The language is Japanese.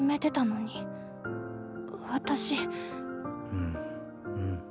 うんうん。